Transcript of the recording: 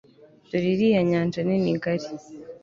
Dore iriya nyanja nini ngari